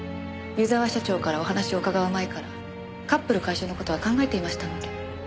湯沢社長からお話を伺う前からカップル解消の事は考えていましたので。